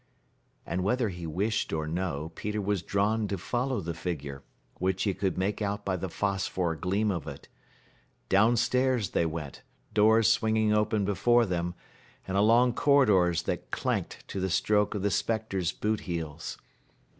And whether he wished or no, Peter was drawn to follow the figure, which he could make out by the phosphor gleam of it. Down stairs they went, doors swinging open before them, and along corridors that clanged to the stroke of the spectre's boot heels.